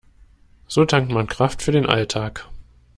So tankt man Kraft für den Alltag.